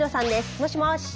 もしもし？